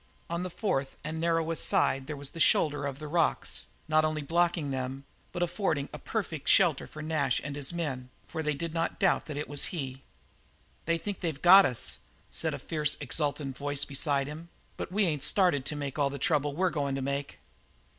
On the fourth and narrowest side there was the shoulder of rocks, not only blocking them, but affording a perfect shelter for Nash and his men, for they did not doubt that it was he. "They think they've got us," said a fiercely exultant voice beside him, "but we ain't started to make all the trouble we're goin' to make."